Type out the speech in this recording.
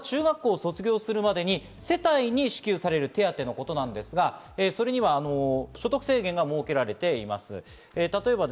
子供が中学校を卒業するまでに世帯に支給される手当のことですが、それには所得制限が設けられています。